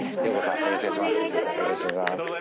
よろしくお願いします。